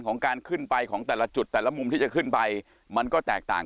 ของการขึ้นไปของแต่ละจุดแต่ละมุมที่จะขึ้นไปมันก็แตกต่าง